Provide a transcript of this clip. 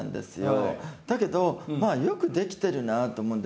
だけどまあよくできてるなと思うんですね。